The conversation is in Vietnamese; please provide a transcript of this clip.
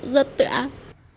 rất tự ác